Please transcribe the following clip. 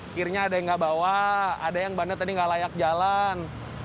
kirnya ada yang nggak bawa ada yang bandetnya nggak layak jalan